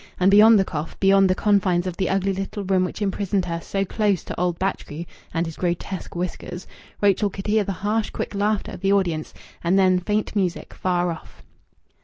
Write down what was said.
And beyond the cough, beyond the confines of the ugly little room which imprisoned her so close to old Batchgrew and his grotesque whiskers, Rachel could hear the harsh, quick laughter of the audience, and then faint music far off.